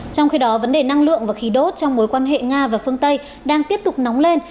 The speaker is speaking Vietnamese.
trong khi đó vấn đề năng lượng và khí đốt trong mối quan hệ nga và phương tây đang tiếp tục nóng lên